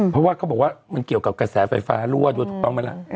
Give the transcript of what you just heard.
เพราะว่าเขาบอกว่ามันเกี่ยวกับกระแสไฟฟ้ารั่วด้วยถูกต้องไหมล่ะ